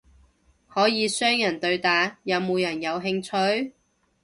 可以雙人對打，有冇人有興趣？